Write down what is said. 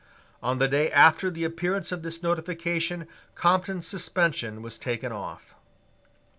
On the day after the appearance of this notification Compton's suspension was taken off.